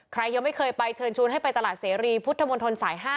ยังไม่เคยไปเชิญชวนให้ไปตลาดเสรีพุทธมนตรสาย๕